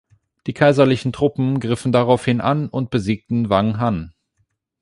Die kaiserlichen Truppen griffen daraufhin an und besiegten Wang Han.